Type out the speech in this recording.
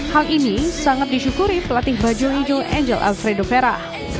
hal ini sangat disyukuri pelatih bajul hijau angel alfredo vera